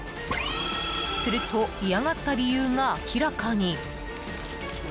すると嫌がった理由が明らかに。